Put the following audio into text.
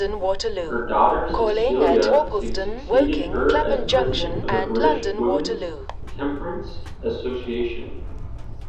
Her daughter Cecilia succeeded her as president of the British Women's Temperance Association.